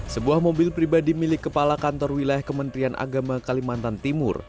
sebuah mobil pribadi milik kepala kantor wilayah kementerian agama kalimantan timur